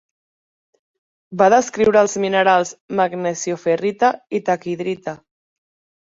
Va descriure els minerals, magnesioferrita i taquihidrita.